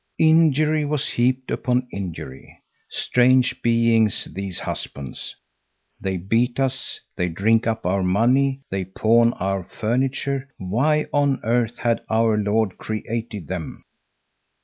Injury was heaped upon injury. Strange beings these husbands! They beat us, they drink up our money, they pawn our furniture. Why on earth had Our Lord created them?